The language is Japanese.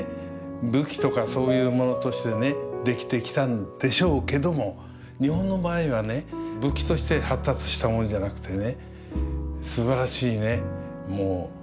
武器とかそういうものとしてね出来てきたんでしょうけども日本の場合はね武器として発達したものじゃなくてね